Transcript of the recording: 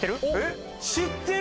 知ってる？